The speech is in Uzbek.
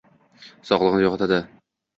sog‘ligini yo‘qotadi.